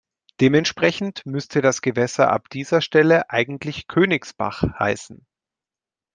Dementsprechend müsste das Gewässer ab dieser Stelle eigentlich „Königsbach“ heißen.